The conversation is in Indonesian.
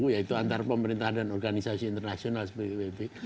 yaitu antar pemerintah dan organisasi internasional seperti itu